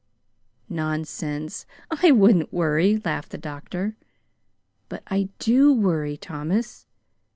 "Nonsense! I wouldn't worry," laughed the doctor. "But I do worry, Thomas."